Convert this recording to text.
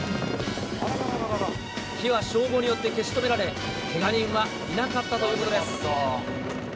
火は消防によって消し止められ、けが人はいなかったということです。